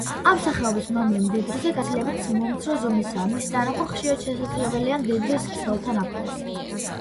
ამ სახეობის მამრი მდედრზე გაცილებით მომცრო ზომისაა, მისი დანახვა ხშირად შესაძლებელია მდედრის ქსელთან ახლოს.